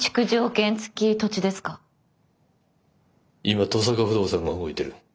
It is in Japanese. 今登坂不動産が動いてる。